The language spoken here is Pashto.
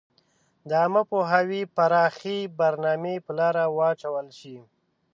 د عامه پوهاوي پراخي برنامي په لاره واچول شي.